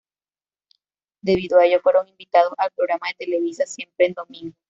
Debido a ello fueron invitados al programa de Televisa "Siempre en domingo".